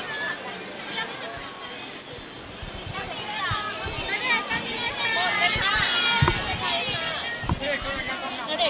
ใจของแห่งของใจของปีเวียนเพื่อปล่อยไม่กลัว